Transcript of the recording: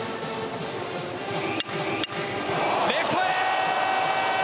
レフトへ！